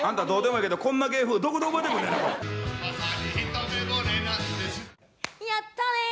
やったね！